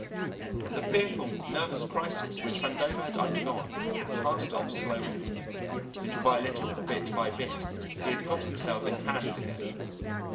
The fearful nervous crisis which Vandover had undergone had passed off slowly. Little by little, bit by bit, he had got himself in hand again.